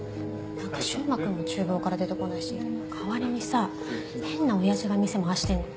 何か柊磨君もちゅう房から出てこないし代わりにさ変なおやじが店回してんの。